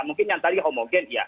mungkin yang tadi homogen